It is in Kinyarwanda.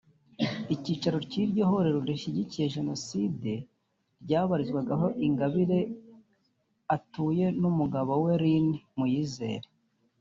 Icyicaro cy’iryo huriro rishyigikiye Jenoside ryabarizwaga aho Ingabire atuye n’umugabo we Lin Muyizere